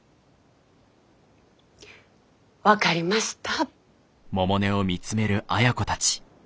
分かりました。